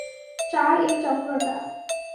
চার এই চক্র টা।